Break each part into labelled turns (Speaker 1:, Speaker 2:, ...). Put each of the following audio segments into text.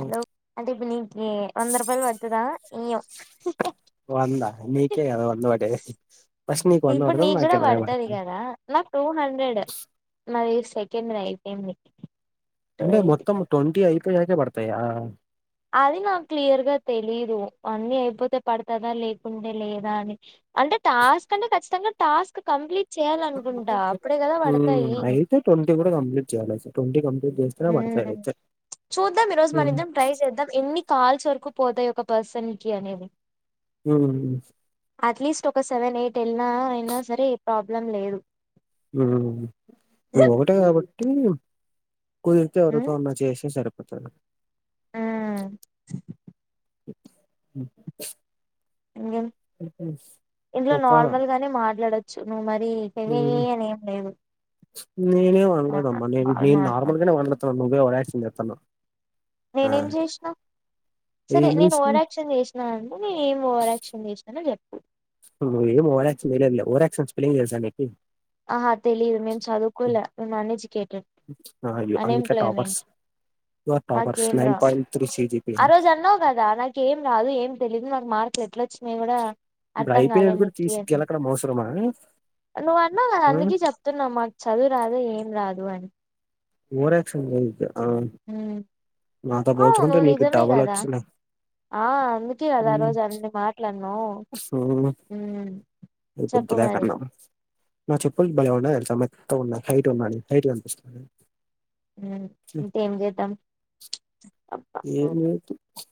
Speaker 1: Hello అదీపి నీ వంద రూపాయలు పడుతుద ఇయ్యి
Speaker 2: వంద నీకే కదా వంద వడేది ఫస్ట్ నీకు వంద
Speaker 1: ఇప్పుడు
Speaker 2: పడుతది
Speaker 1: నీకు
Speaker 2: నాక్
Speaker 1: కూడా
Speaker 2: ఎనబై
Speaker 1: పడుతది కదా నాకు టూ హండ్రెడ్ నాది సెకండ్ ది అయిపోయింది టూ
Speaker 2: అంటే
Speaker 1: ఎయిటీ
Speaker 2: మొత్తం ట్వంటీ అయి కే పడతాయా
Speaker 1: అది నాకు క్లియర్ గ తెలీదు అన్నీ అయిపోతే పడుతదా లేకుంటే లేదా అని అంటే టాస్క్ అంటే ఖచ్చితంగా టాస్క్ కంప్లీట్ చేయాలనుకుంటా అప్పుడే కదా పడతాయి
Speaker 2: అయితే ట్వంటీ కూడా కంప్లీట్ చేయాలి ట్వంటీ కంప్లీట్ చే
Speaker 1: హమ్ చూద్దాం ఈరోజు మన
Speaker 2: ఉమ్
Speaker 1: ఇద్దరం ట్రై చేద్దాం ఎన్ని కాల్స్ వరకు పోతయి ఒక పర్సన్ కి అనేది
Speaker 2: హమ్
Speaker 1: అట్లీస్ట్ ఒక సెవెన్ ఎయిట్ వెళ్ళినా అయినా సరే ప్రాబ్లం లేదు
Speaker 2: హమ్ నువ ఒకటె కాబట్టి కుదిరితే ఎవరితో ఆన్నా చేసే సరి పత
Speaker 1: ఆ
Speaker 2: అ
Speaker 1: ఇంకే ఇంట్లో
Speaker 2: చెప్పాలా
Speaker 1: నార్మల్ గానే మాట్లాడచ్ చ్చు నువ్ మ ఈ పెహిహీ
Speaker 2: ఉమ్
Speaker 1: అని ఏం లేదు
Speaker 2: నేనేం
Speaker 1: నార్మల్
Speaker 2: అంలేదమ్మ నే
Speaker 1: బాగా
Speaker 2: నేను
Speaker 1: మాట్లాడు
Speaker 2: నార్మల్ గానే వాడుతున్నాను ఓవర్ యాక్షన్ చెత్తనావ్
Speaker 1: నేనేం చేసినా సరే
Speaker 2: ఏం
Speaker 1: నేను
Speaker 2: చేసినా
Speaker 1: ఓవర్ యాక్షన్ చేసినా అనుకో నేను ఏమి ఓవర్యాక్షన్ చేసినానో చెప్పు
Speaker 2: నువ్వేం ఓవర్ యాక్షన్ చేయలేదులే ఓవర్ యాక్షన్ స్పెల్లింగ్ తెలుసా నీకు
Speaker 1: ఆహా తెలీదు మేము చదువుకోలే మేము అన్ఎడ్యుకేటెడ్
Speaker 2: ఆ, అందుకే toppers
Speaker 1: unemployment
Speaker 2: you are toppers
Speaker 1: మాకేం
Speaker 2: నైన్
Speaker 1: రాద్
Speaker 2: పాయింట్ త్రీ సిజిపి
Speaker 1: ఆ రోజు అన్నావ్ కదా నాకు ఏం రాదు ఏం తెలీదు నాకు మార్క్ ఎట్ల వచ్చినాయ్ గుడా
Speaker 2: ఇప్పుడు అయిపోయినది కూడ తీసి గెలకడం అవసరమానే
Speaker 1: నువ్ అన్నావు కదా అందుకే చెప్తున్నా మాకు చదువు రాదు ఏం రాదు. వని
Speaker 2: ఓవర్ యాక్షన్ చెయ్యదు
Speaker 1: హుమ్ అవును
Speaker 2: పోల్చుకుంటే నీకు
Speaker 1: నిజమే
Speaker 2: డబల్
Speaker 1: గదా
Speaker 2: వచ్చినాయి
Speaker 1: ఆ అందుకే కదా ఆ రోజు అన్ని మాటలు అన్నావు చెప్పు
Speaker 2: బుద్ధిలే
Speaker 1: మరి
Speaker 2: కన్నా నా చెప్పులు భలే ఉన్నాయ్ తెలుసా మెత్తగా ఉన్నాయి హైట్ ఉన్నా హైట్ కనిపిస్త
Speaker 1: హుమ్ ఉంటే ఏం చేద్దాం
Speaker 2: [inaudible]
Speaker 1: అబ్బా
Speaker 2: ఏం లేదు ప్చ్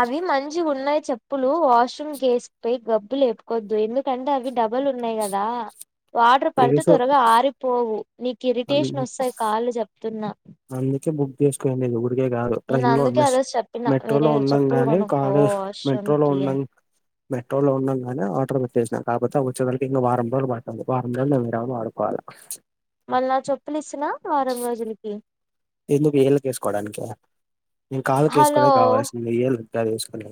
Speaker 1: అవి మంచిగా ఉన్నాయ్ చెప్పులు వాష్రూమ్ కి ఎసుక పోయి గబ్బులేపుకొవద్దు ఎందుకంటే అవి డబల్ ఉన్నాయి గదా వాటర్ పడితే
Speaker 2: తెలుసు
Speaker 1: త్వరగా ఆరిపోవు నీకు ఇరిటేషన్
Speaker 2: అన్-
Speaker 1: వస్తాయ్ కాళ్ళు చెప్తున్నా
Speaker 2: ఏసుకునేది నేను ఎప్పుడు కాదు
Speaker 1: నేను
Speaker 2: ట్రైన్ లో
Speaker 1: అందుకే ఆ
Speaker 2: మెస్
Speaker 1: రోజు చెప్పిన వేరే
Speaker 2: మెట్రోలో ఉన్నాం
Speaker 1: చెప్పులు
Speaker 2: గానే
Speaker 1: కొనుక్కో
Speaker 2: కార్
Speaker 1: వాష్రూమ్
Speaker 2: మెట్రోలో
Speaker 1: కి
Speaker 2: ఉన్నాం
Speaker 1: అని
Speaker 2: మెట్రోలో ఉన్నాం గానే ఆర్డర్ చేసిన కాకపోతే వచ్చేతల్కి ఇంక వారం రోజులు ప వారం రోజులు ఉండవ్ వాడుకోవాలా
Speaker 1: మళ్ళీ నా చొప్పులు ఇస్తున వారం రోజులకి
Speaker 2: ఎందుకు ఏళ్ళకు ఏసుకోవడానికా నేను కాళ్లకు
Speaker 1: హలో
Speaker 2: ఏసుకోవడానికి కావాల్సింది ఏల్ గది ఎస్కోని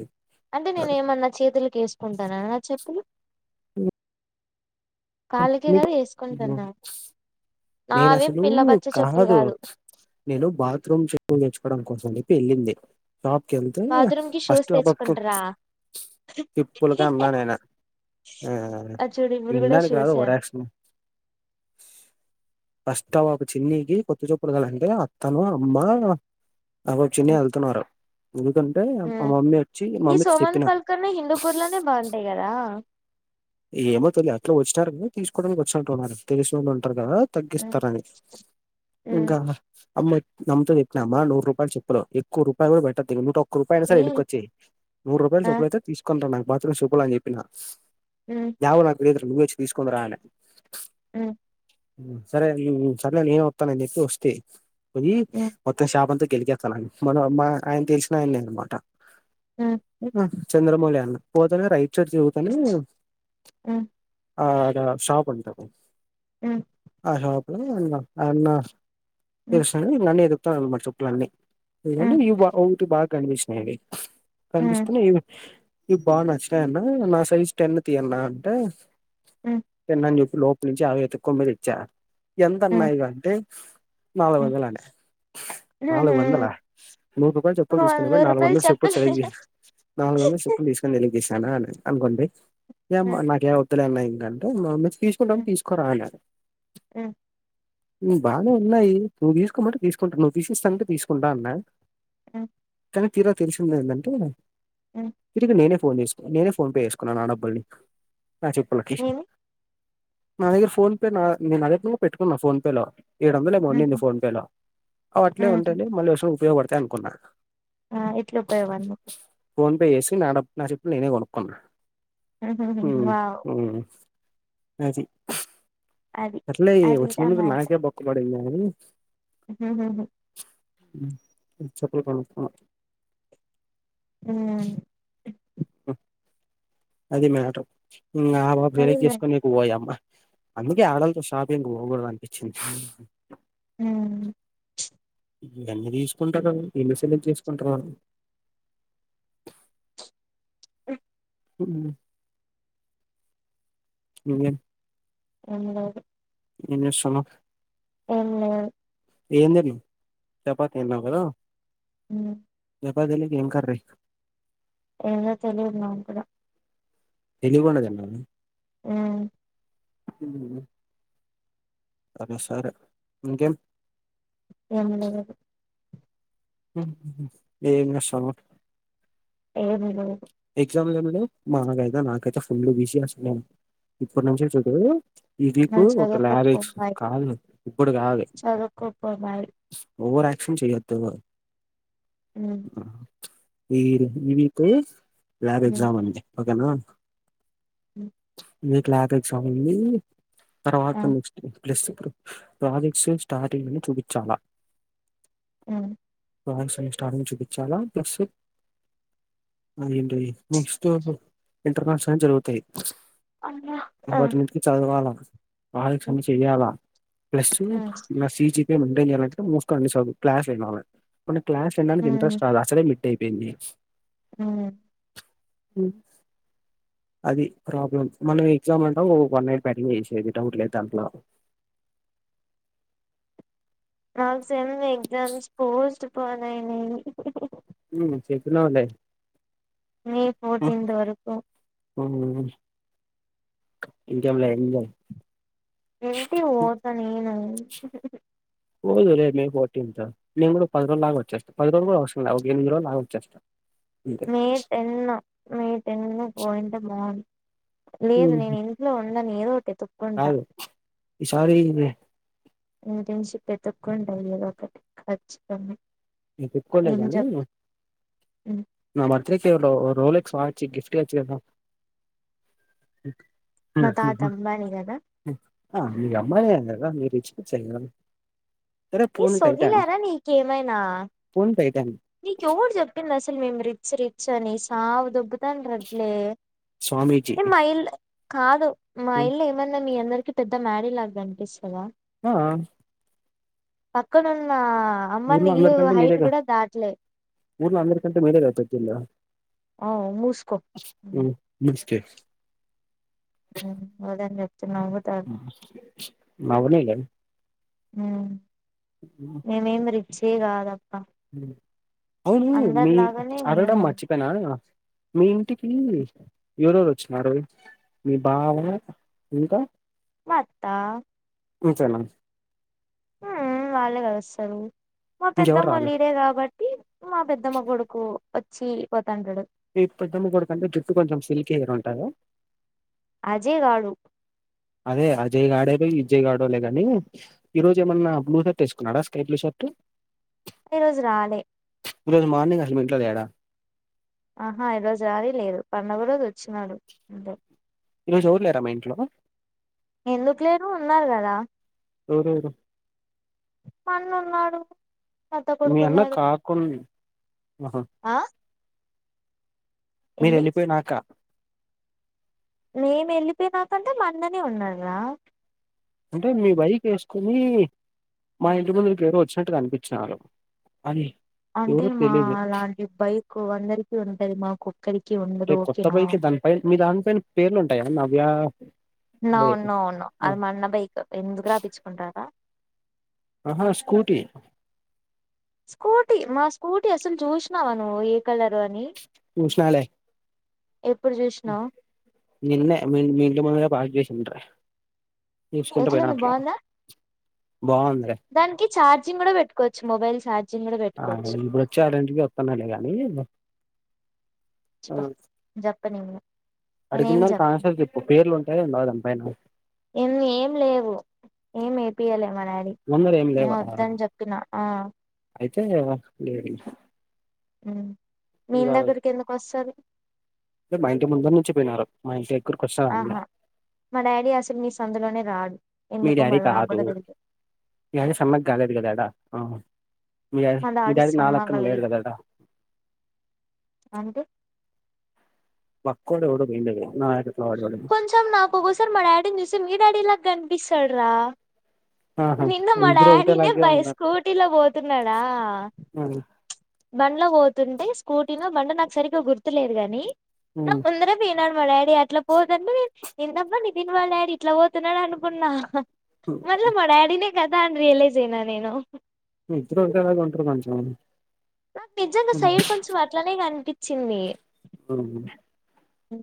Speaker 1: అంటే నేను ఏమన్నా చేతులకి వేసుకుంటాన నా చెప్పులు కాలికె కదా వేసుకుంటున్నా
Speaker 2: నేను
Speaker 1: నావి
Speaker 2: అసలు
Speaker 1: పిల్ల బచ్చ చెప్పులు
Speaker 2: కాదు నేను బాత్రూమ్ చెప్పులు తెచ్చుకోడాని కోసం నీ పేరు ఏందీ షాప్కి వెళ్తే
Speaker 1: బాత్రూమ్ కి షూస్
Speaker 2: ఫస్ట్ ఒకక్క
Speaker 1: తెచ్చుకుంటారా
Speaker 2: చెప్పులకే అందం నేను
Speaker 1: ఆ చూడు ఇప్పుడు కూడా
Speaker 2: వినడానికి రాదు
Speaker 1: షూస్ ఏ
Speaker 2: ఓవర్ ఆక్షన్ ఫస్టు టైమ్ ఒక చిన్నికి కొత్త చొప్పులు కావాలంటే అత్తను అమ్మ అగో చిన్ని వెళ్తున్నారు. ఎందుకంటే మా మమ్మీ వచ్చి
Speaker 1: ఈ
Speaker 2: మమ్మీకి
Speaker 1: సోమంత్
Speaker 2: చెప్పిన
Speaker 1: పల్కర్నే హిందూపూర్ లోనే బాగుంటాయి కదా
Speaker 2: ఏమో తెలిదు ఎట్ల వచ్చినారు అని తీసుకోడానికి వచ్చినట్టు ఉన్నారు. తెలిసిన వాళ్లు ఉంటారు కదా తగ్గిస్తారని ఇంకా అమ్మతో చెప్పినామ నూరు రూపాయలు చెప్పులు ఎక్కువ రూపాయ కూడా పెట్టకు [unintelligible] ఒక రూపాయయినా
Speaker 1: ఈ
Speaker 2: సరే ఎనక్కొచ్చెయ్. నూరు రూపాయల
Speaker 1: ఆ
Speaker 2: చెప్పులయితే తీసుకొని రా బాత్రూమ్ చెప్పులు అని చెప్పిన ఏమో నాకు తెలీదు నువ్వే వచ్చి తీసుకొని రా అనా
Speaker 1: ఆ
Speaker 2: సరే నేను సర్లే నేనే వత్తానని చెప్పి వస్తి కొని అంత షాప్ అంతా గెలికేత్తానని మన అమ్మ ఆయన తెలిసినాయనే అనమాట చంద్రమౌలి అన్న పోత వీరయ్ షర్ట్ సినుగుతానే
Speaker 1: ఆ
Speaker 2: ఆ షాప్ అంటారు
Speaker 1: ఆ
Speaker 2: లోపలికి ఎళ్దాం ఇగ [unintelligible] [unintelligible] మరి చెప్పులన్నీ ఇవండీ మా [unintelligible] కనిపిచ్చినాయి అవి కనిపిస్తున్నా ఈగో ఇవి బాగా నచ్చినాయన్న నా సైజ్ టెన్ తీయన్నా అంటే టెన్ అని జెప్ లోపులి నుంచి అవి వెతుకొమ్మరీ ఇచ్చా ఎంత అన్నా ఇవంటే నాలుగు వందలు అనే. నాలుగు వందలా నూరు రపాలు చెప్పులు
Speaker 1: వంద
Speaker 2: తీసుకునిపోయి నాలుగు
Speaker 1: రూపాయలు
Speaker 2: వందలు చెప్పుల
Speaker 1: చెప్పలే
Speaker 2: సైజీ నాలుగు వందలు చెప్పులు తీసుకొని వేసిన అన్ అన్గొండి ఏమో నాకెవద్ [unintelligible] మా అమ్మా చెప్ తీసుకుంటాం తీసుకురాలే
Speaker 1: హ్మ్
Speaker 2: హ్మ్ బానే ఉన్నాయి నువ్వు తీసుకోమంటే తీసుకుంటా నువ్వు తీసిస్తాంటే తీసుకుంటా అన్నా
Speaker 1: ఆ
Speaker 2: [unintelligible] తీర తెలిసిందెందంటే తిరుగు నేనే ఫోన్ చేస్కూన నేన్నే ఫోన్ పే చేసుకున్నా నా డబ్బల్ని ఆ చెప్పులకి
Speaker 1: ఏమి
Speaker 2: నా దగ్గర ఫోన్పే లా నేన్ మొదట్ నుండి పెట్టుకున్నా ఫోన్పే లో ఏడు వందలు ఏమో ఉంది నా ఫోన్ పే ల అది అట్లే ఉంటే మల్ల సారి ఉపయోగపడు దంనుకున్నా
Speaker 1: ఆ ఎట్లా పోయేవాను
Speaker 2: ఫోన్పే చేసి నాడబ్ నా చెప్ నేనే కొనుక్కున్నా
Speaker 1: వావ్
Speaker 2: ఆ చె
Speaker 1: అది
Speaker 2: అట్లయ్ ఈ
Speaker 1: అదిదా
Speaker 2: వచ్చినందుకు
Speaker 1: మ్యాటర్
Speaker 2: నాకే బొక్క పడిండ్ల [inaudible] హుమ్ మీరు చెప్పే పని
Speaker 1: హుమ్
Speaker 2: అ అది మాటర్ మీ నాన్న జోక్
Speaker 1: అది
Speaker 2: చేస్కొని ఇటు పోయమ్మా అందుకే ఆడోల్తో షాపింగ్ పోకూడదు అనిపిచింది
Speaker 1: ఉమ్
Speaker 2: ఎన్నీ తీసుకుంటరో ఎన్ని సెలెక్ట్ చేసుకుంటరో
Speaker 1: ఉ
Speaker 2: హుమ్ నువ్వేం
Speaker 1: నన్ను గాదు
Speaker 2: ఏం చేస్తున్నావ్
Speaker 1: ఏం లేదు
Speaker 2: ఏం చెప్నా చపాతి తిన్నావ్ గదా
Speaker 1: హుమ్
Speaker 2: చపాతిలోకి ఏం కర్రీ
Speaker 1: ఏందో తెలియదు నాక్కూడ
Speaker 2: తెలియకోండా తింటావా
Speaker 1: ఆ
Speaker 2: అమ్మో సరేసరే ఇంకేం
Speaker 1: ఏం లేగదు
Speaker 2: మ్మ్ హు హ్మ్ ఏం జేస్సన్నావ్
Speaker 1: ఏ విను
Speaker 2: ఎగ్జామ్స్ అయిపోయినాయి నాకైతే ఫుల్ బిసి వస్తుంది ఇప్పటి నుంచే చూడు ఈ వీకు
Speaker 1: నువ్వు
Speaker 2: ఒక
Speaker 1: చదువుకోపో
Speaker 2: లారిక్స్
Speaker 1: బాయ్
Speaker 2: కాదు ఇప్పుడు కాదు
Speaker 1: చదువుకోపో బాయ్
Speaker 2: ఓవర్ ఆక్షన్ చేయద్దు
Speaker 1: ఉమ్
Speaker 2: మీరు ఈ వీకు ల్యాబ్
Speaker 1: ఉమ్
Speaker 2: ఎగ్జామ్ ఉంది ఓకే నా
Speaker 1: ఉమ్
Speaker 2: మీకు ల్యాబ్ ఎగ్జామ్ ఉంది తర్వాత
Speaker 1: ఆ
Speaker 2: నెక్స్ట్ ప్లస్ ప్రాజెక్ట్స్ స్టార్టింగ్ అని చూపించాలా
Speaker 1: ఉమ్
Speaker 2: రాయింగ్స్ అనే స్టార్టింగ్ చూపించాలా ప్లస్ నెక్స్ట్ ఇంటర్నేషనల్ జరుగుతాయి
Speaker 1: అమ్మా ఆ
Speaker 2: అప్పటి నుంచి చదువాల ప్రాజెక్ట్స్
Speaker 1: ఉమ్
Speaker 2: అన్ని చెయ్యాలా ప్లస్
Speaker 1: ఉమ్
Speaker 2: ఇంగ సి జి పి ఏ ఇవ్వన్ని చేయాలంటే మూసుకొని క్లాసులు వినాలి క్లాస్ వినడానికి
Speaker 1: ఉమ్
Speaker 2: ఇంట్రస్ట్ రాలే అసలే అయిపోయింది
Speaker 1: ఉమ్
Speaker 2: ఉమ్ అది ప్రాబ్లమ్ మనం ఎగ్జామ్ అంటం వన్ నైట్ బ్యాటింగ్ చేసేది డౌట్ లేదు దాంట్లో
Speaker 1: ట్ర సెమ్ ఎగ్జామ్స్ పోస్ట్ పోనాయి లే అని
Speaker 2: ఉమ్ చెప్పినావ్ లే
Speaker 1: మే ఫోర్టీన్త్ వరకు
Speaker 2: ఇంకేం లే ఎంజాయ్
Speaker 1: ఇంటికి పోత నేను ఆ
Speaker 2: పోదులే మే ఫోర్టీన్త్ నేను కూడా పది రోజులాగి వచ్చేస్తాను పది రోజులు కూడా అవసరం ఒక ఎనిమిది రోజులులాగా వచ్చస్తను
Speaker 1: మే టెన్ మే టెన్ పాయింటే బాగుండు లేదు
Speaker 2: హ్మ్.
Speaker 1: నేను ఇంట్లో ఉన్నా నన్ను ఏ
Speaker 2: కాదు ఈ సారి వే
Speaker 1: ఇంటర్న్షిప్ వెతుక్కుంట ఏదో ఒకటి ఖచ్చితం
Speaker 2: నే తిప్పుకోలేదనీ నా బర్త్ డే కే రొ రోలె క్స్ వాచ్ గిఫ్ట్ ఇయొచ్చు కదా హ్మ్
Speaker 1: మా తాత అంబానీ కదా
Speaker 2: పిచ్చి పిచ్చి ఐడియాలు
Speaker 1: ఎ సొగిలేరా నీకేమైనా
Speaker 2: ఫోన్ ఫే
Speaker 1: నీకు ఎవరు చెప్పింది అసలు మేం రిచ్ రిచ్ చనీ సావ్ దోబ్బు డట్లే
Speaker 2: స్వామీజీ
Speaker 1: ఏ మ ఇల్ కాదు మా ఇల్లు ఏమన్నా మీ అందరికి పెద్ద మ్యాడి లా కనిపిస్తదా
Speaker 2: హా
Speaker 1: పక్కనున్నా
Speaker 2: ఊర్లో
Speaker 1: అంబాని ఇల్లు
Speaker 2: అందరికంటే
Speaker 1: హైట్
Speaker 2: మీరేగా
Speaker 1: కూడా దా
Speaker 2: ఊర్లో అందరి కంటే మీదేగ పెద్ద ఇల్లు
Speaker 1: ఆ మూసుకో మ్మ్
Speaker 2: కే
Speaker 1: హ్మ్ వోదన్ జోప్
Speaker 2: నవనీ లే
Speaker 1: చి కాద
Speaker 2: అవును మీ
Speaker 1: అందరిలాగానే
Speaker 2: అడగడం
Speaker 1: మేము
Speaker 2: మచ్చిపోయినా మీ ఇంటికి ఎవరెరు వచ్చినారు మీ బావ ఇంక
Speaker 1: మ అత్త
Speaker 2: అంతే న
Speaker 1: హ్మ్ వాళ్ళే కద వస్తరు మా
Speaker 2: ఇంకెవరు రాలే
Speaker 1: పెద్దమ్మలురే కాబట్టి మా పెద్దమ్మ కొడుకు వ చీ పోతంటడు
Speaker 2: మీ పెద్దమ్ము కొడుకంటే జుట్టు కొంచెం సిల్కి హెయిర్ ఉంటాద
Speaker 1: అజే గాదు
Speaker 2: అదే అజయ్ గడే విజయ్ గడె గాని ఈ రోజు ఏమన్న బ్లూ షర్ట్ వేసుకున్నాడా స్కై బ్లూ షర్ట్
Speaker 1: ఈ రోజు రాలే
Speaker 2: లేద్ మార్నింగ్ అట్ల పోయి ట్లద్ యాడ
Speaker 1: ఆహా ఈరోజు రానే లేదు పండగ రోజు వచ్చినాడు అంతే
Speaker 2: ఈరోజు ఎవర్ లేర మీ ఇంట్లో
Speaker 1: ఎందుకు లేరు ఉన్నారు కదా
Speaker 2: ఎవరెవరు
Speaker 1: మా అన్న ఉన్నాడు మా అత్త
Speaker 2: మీ
Speaker 1: కొడుకు
Speaker 2: అన్న
Speaker 1: ఉన్నాడు
Speaker 2: కాకుం ఆహా
Speaker 1: ఆ
Speaker 2: మీరు
Speaker 1: ఏంది
Speaker 2: వెళ్ళిపోయినాక
Speaker 1: నేము వెళ్ళిపోయినాకంటే మా అన్ననే ఉన్నారా
Speaker 2: అంటే మీ బైక్ వేసుకోని మా ఇంటి ముందు ఎరు వచ్చినట్టుగా కనిపించినారు అది
Speaker 1: అంటే
Speaker 2: ఎవరో
Speaker 1: మా
Speaker 2: తెలీదు
Speaker 1: అలాంటి బైక్ అందరికి ఉంటది మాకు ఒక్కరికి ఉండదు
Speaker 2: అంటే కొత్త
Speaker 1: ఓకేనా
Speaker 2: బైక్ దానిపై మీ దానిపైన పేర్లు ఉంటాయా నవ్య
Speaker 1: నో
Speaker 2: లే
Speaker 1: నో నో
Speaker 2: ఆ!
Speaker 1: అది మ బైక్ ఎందుకు రా పించుకుంటారా
Speaker 2: ఆహ స్కూటీ
Speaker 1: స్కూటీ మా స్కూటీ అసలు చూసినావా నువ్వు ఏ కలర్ అని
Speaker 2: చూసిన లే
Speaker 1: ఎప్పుడు చూసినావు
Speaker 2: నిన్నే మీ ఇంటి ముందట పార్క్ చేసుంటీరి చూసుకుంటూ పోయిన
Speaker 1: ఎట్లుంది
Speaker 2: అట్లా
Speaker 1: బాగుందా
Speaker 2: బాగుందిలే
Speaker 1: దానికి ఛార్జింగ్ కూడా పెట్టుకోవచ్చు మొబైల్ చార్జి
Speaker 2: అ ఇప్పుడు వచ్చే అటువంటి కి వస్తున్నాలే గాని
Speaker 1: ఛీ పో నేను చెప్పను ఇంగ నేనే
Speaker 2: అడిగిన
Speaker 1: ఏం
Speaker 2: దానికి
Speaker 1: చెప్పను
Speaker 2: ఆన్సర్ చెప్పు పేర్లు ఉంటాయో ఉండవో దానిపైన
Speaker 1: ఏం ఏం లేవు ఏం ఏపియలే మా డాడీ
Speaker 2: ముందర ఏం
Speaker 1: మేము
Speaker 2: లేవా
Speaker 1: వద్దని చెప్పిన ఆ
Speaker 2: అయితే లే
Speaker 1: హు విని దగ్గరకి ఎందుకు వస్తారు
Speaker 2: మా ఇంటి ముందని నుంచిపోయినారు మా ఇంటి దగ్గరకు వస్తారండి
Speaker 1: ఆహా మా డాడీ అసలు మీ సందులోనే రాడు
Speaker 2: మీ డాడీ
Speaker 1: ఎందుకోమరి నా
Speaker 2: కాదు
Speaker 1: కూడా
Speaker 2: మీ
Speaker 1: తెలియదు
Speaker 2: ఆహా మీ డా మీ డాడీ నా లెక్క లేడు కదా ఆడ
Speaker 1: అంటే
Speaker 2: బక్కోడు ఎవడో పోయిండు అది నా వాడు
Speaker 1: కొంచెం నాకు ఒకోసారి మా డాడీని చూస్తే మీ డాడీ లాగా కనిపి పిస్తారా రా
Speaker 2: ఆహా
Speaker 1: నిన్న మా
Speaker 2: ఇద్దరు
Speaker 1: డాడీనే
Speaker 2: ఒకటేలాగే
Speaker 1: బై
Speaker 2: ఉన్నారు
Speaker 1: స్కూటీల పోతున్నాడా
Speaker 2: ఆ,
Speaker 1: బండ్ల పోతుంటే స్కూటీనో బండి నాకు సరిగ్గా గుర్తులేదు గాని
Speaker 2: ఆ,
Speaker 1: ముందర మీ నాన్న మా డాడీ అట్లా పోతాంటే నేను ఏందబ్బా నితిన్ వల్ల డాడీ ఇట్లా పోతున్నాడు అనుకున్నా మల్ల మా డాడీనే కదా అని రియలైజ్ అయినా నేను
Speaker 2: ఇద్దరు ఒకేలాగా ఉంటారు కొంచం
Speaker 1: నిజంగా సైడ్ కొంచెం అట్లనే కానిపి చింది
Speaker 2: ఆ
Speaker 1: ఉ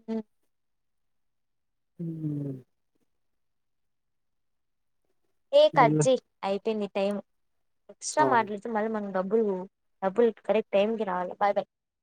Speaker 2: ఊ
Speaker 1: ఏ
Speaker 2: వెళ్ళు.
Speaker 1: కటజేయ్ అయిపో ని టైం ఎక్స్ట్రా
Speaker 2: ఆ.
Speaker 1: మాట్లాడితే మళ్ మ డబ్బుల్ డబ్బుల్ కరెక్ట్ టేమకి రావా బైబై